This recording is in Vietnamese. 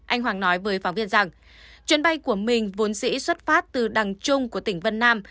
anh hoàng nói với phóng viên rằng chuyến bay của mình vốn dĩ xuất phát từ đằng chung của tỉnh vân nam